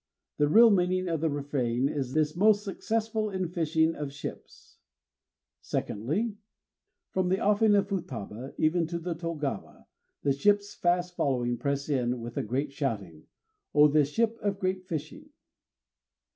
The real meaning of the refrain is, "this most successful in fishing of ships." Secondly, From the offing of Futaba even to the Togawa, the ships, fast following, press in, with a great shouting. _O this ship of great fishing!